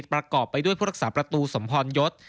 ประกอบไปด้วยผู้รักษาประตูสมพรยศ